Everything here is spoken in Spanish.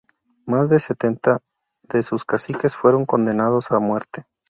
Más de setenta de sus caciques fueron condenados a muerte.